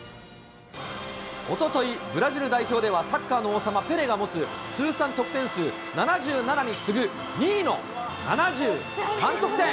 おととい、ブラジル代表では、サッカーの王様、ペレが持つ、通算得点数７７に次ぐ２位の７３得点。